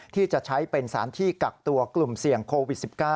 ที่จะใช้เป็นสารที่กักตัวกลุ่มเสี่ยงโควิด๑๙